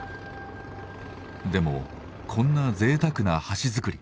でもこんなぜいたくな橋造り